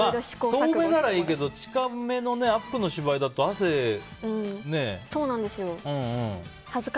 遠めならいいけど近めのアップの芝居だとそうなんですよ。